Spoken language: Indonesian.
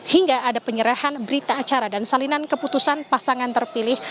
hingga ada penyerahan berita acara dan salinan keputusan pasangan terpilih